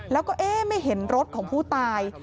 แล้วก็เอ๊ะไม่เห็นรถของผู้ตาย